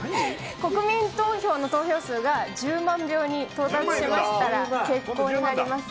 国民投票の投票数が１０万票に到達しましたら、決行になります。